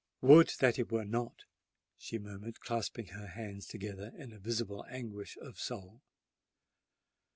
"Would that it were not!" she murmured, clasping her hands together in visible anguish of soul.